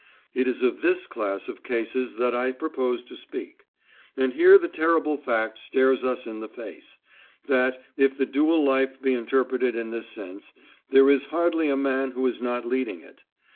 It is of this class of cases that I propose to speak. And here the terrible fact stares us in the face, that if the dual life be interpreted in this sense, there is hardly a man who is not leading it.